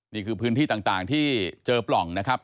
นี่คือพื้นที่ต่างที่เจอปล่องนะครับ